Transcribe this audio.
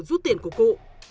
rút tiền của cụ